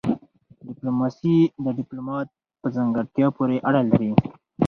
ډيپلوماسي د ډيپلومات په ځانګړتيا پوري اړه لري.